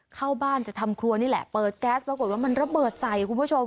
เข้าบ้านจะทำครัวนี่แหละเปิดแก๊สปรากฏว่ามันระเบิดใส่คุณผู้ชม